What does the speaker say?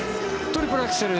トリプルアクセル。